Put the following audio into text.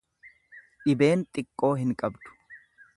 Dhibeen xiqqoo hin qabdu.